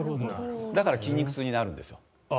だから筋肉痛になるんですよ。